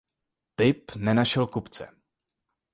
Typ nenašel kupce.